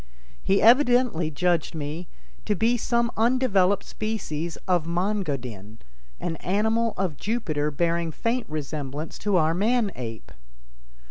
He evidently judged me to be some undeveloped species of Mon go din, an animal of Jupiter bearing faint resemblance to our man ape.